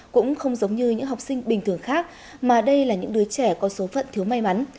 cũng không giống như những học sinh bình thường khác mà đây là những đứa trẻ có số phận thiếu may mắn